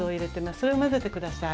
それを混ぜて下さい。